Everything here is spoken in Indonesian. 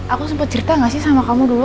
aku sempat cerita gak sih sama kamu dulu